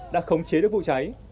đã khống chế được vụ cháy